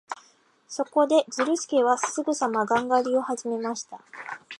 そこで、ズルスケはすぐさまガン狩りをはじめました。